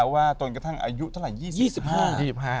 ว่าต้นกระทั่งอายุเท่าไหร่๒๕